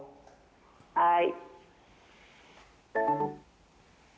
「はい」